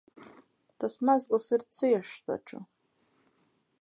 Tas mezgls ir ciešs taču.